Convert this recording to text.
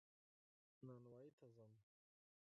نانوايي ته ځم